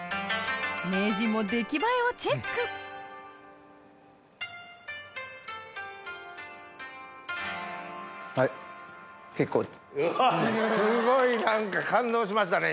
名人も出来栄えをチェックわすごい何か感動しましたね